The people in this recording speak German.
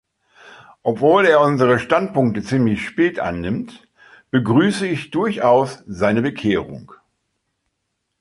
Obwohl er unsere Standpunkte ziemlich spät annimmt, begrüße ich durchaus seine Bekehrung.